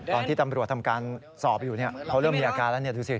ตอนที่ตำรวจทำการสอบอยู่เขาเริ่มมีอาการแล้วดูสิ